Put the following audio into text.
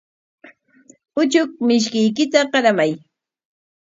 Uchuk mishiykita qaramay.